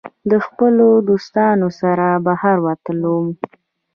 د خپلو دوستانو سره بهر وتلی وو